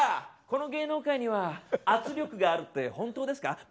「この芸能界には圧力があるって本当ですか？」。